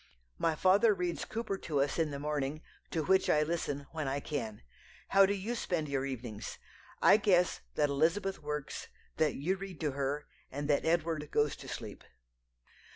My father reads Cowper to us in the morning, to which I listen when I can. How do you spend your evenings? I guess that Elizabeth works, that you read to her, and that Edward goes to sleep."